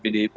pkb dan pdp